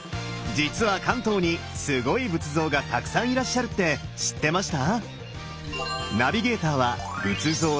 実は関東にすごい仏像がたくさんいらっしゃるって知ってました？